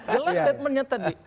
hahaha iya ya jelas statementnya tadi